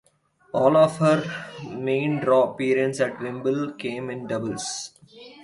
All of her main draw appearances at Wimbledon came in doubles.